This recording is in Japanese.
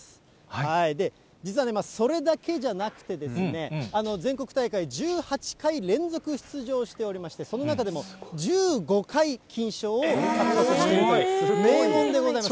実はね、それだけじゃなくてですね、全国大会１８回連続出場しておりまして、その中でも１５回金賞を獲得しているという名門でございます。